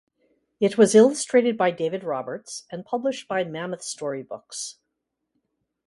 It was illustrated by David Roberts and published by Mammoth Storybooks.